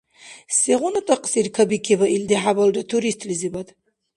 Сегъуна такьсир кабикиба илди хӀябалра туристлизибад?